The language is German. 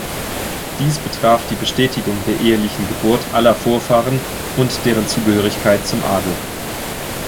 Dies betraf die Bestätigung der ehelichen Geburt aller Vorfahren und deren Zugehörigkeit zum Adel.